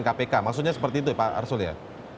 kpk maksudnya seperti itu ya pak arsul ya